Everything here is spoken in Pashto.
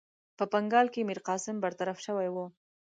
په بنګال کې میرقاسم برطرف شوی وو.